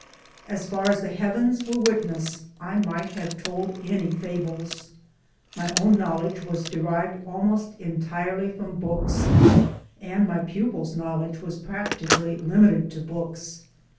As far as the heavens were witness I might have told any fables. My own knowledge was derived almost entirely from books, and my pupils' knowledge was practically limited to books.